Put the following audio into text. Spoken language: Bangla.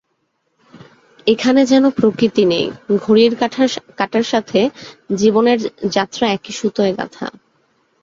এখানে যেন প্রকৃতি নেই, ঘড়ির কাঁটার সাথে জীবনের যাত্রা একই সুঁতোয় গাঁথা।